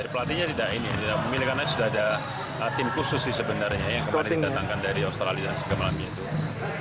pemainnya tidak memilih karena sudah ada tim khusus sebenarnya yang kemarin didatangkan dari australia ke malam itu